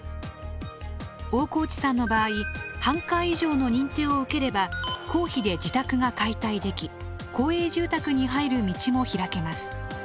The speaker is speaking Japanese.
大河内さんの場合半壊以上の認定を受ければ公費で自宅が解体でき公営住宅に入る道も開けます。